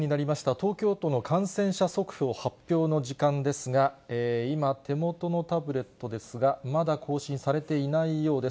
東京都の感染者速報発表の時間ですが、今、手元のタブレットですが、まだ更新されていないようです。